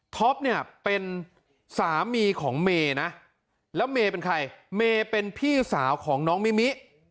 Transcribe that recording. เนี่ยเป็นสามีของเมย์นะแล้วเมย์เป็นใครเมย์เป็นพี่สาวของน้องมิมิ